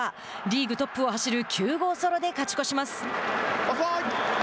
リーグトップを走る９号ソロで勝ち越します。